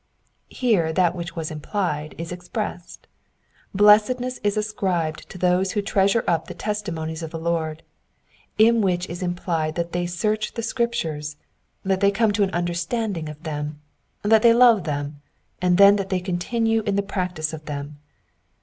Here that which was implied is expressed. Blessedness is ascrib^ to those who treasure up the testimonies of the Lord : in which is implied that they search the Scriptures, that they come to an understanding of them, that they love them, and then that they continue in the practice of them.